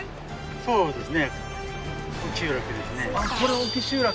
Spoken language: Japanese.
そうですね。